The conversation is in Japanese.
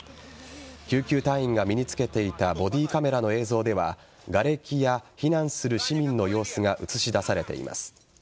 救急隊員が身につけていたボディーカメラの映像ではがれきや避難する市民の様子が映し出されています。